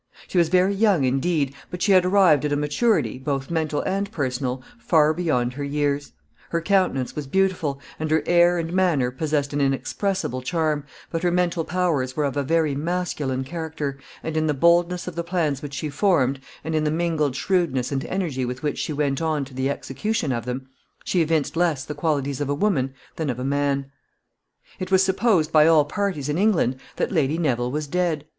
She was very young indeed, but she had arrived at a maturity, both mental and personal, far beyond her years. Her countenance was beautiful, and her air and manner possessed an inexpressible charm, but her mental powers were of a very masculine character, and in the boldness of the plans which she formed, and in the mingled shrewdness and energy with which she went on to the execution of them, she evinced less the qualities of a woman than of a man. [Sidenote: Lady Neville supposed to be dead.] [Sidenote: Her father.] It was supposed by all parties in England that Lady Neville was dead.